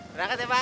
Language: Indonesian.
berangkat ya pak